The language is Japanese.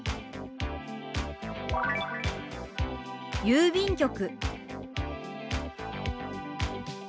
「郵便局」。